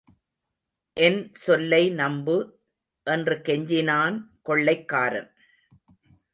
என் சொல்லை நம்பு... என்று கெஞ்சினான் கொள்ளைக்காரன்.